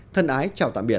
thân ái chào tạm biệt